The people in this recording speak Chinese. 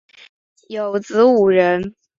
有子五人